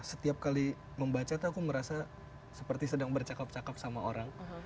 setiap kali membaca tuh aku merasa seperti sedang bercakap cakap sama orang